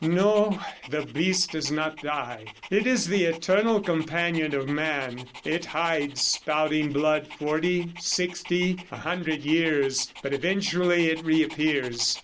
"No; the beast does not die. It is the eternal companion of man. It hides, spouting blood, forty ... sixty ... a hundred years, but eventually it reappears.